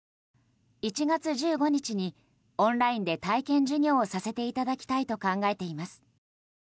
１月１５日にオンラインで体験授業をさせていただきたいと考えています。